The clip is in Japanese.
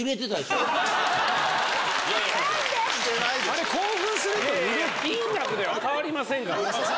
・あれ興奮すると揺れる・金額では変わりませんから。